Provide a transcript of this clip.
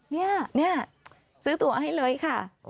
นี่ซื้อตัวให้เลยค่ะ